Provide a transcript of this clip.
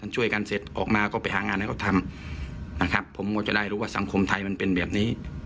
ช่วยกันเสร็จออกมาก็ไปหางานให้เขาทำนะครับผมก็จะได้รู้ว่าสังคมไทยมันเป็นแบบนี้